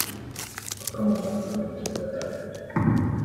Otro monumento es la Iglesia de la Asunción.